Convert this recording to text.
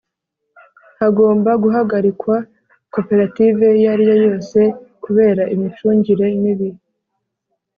Hagomba guhagarikwa Koperative iyo ari yo yose kubera imicungire mibi